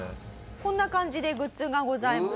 こんな感じでグッズがございます。